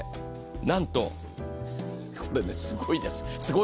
なんと、すごいです。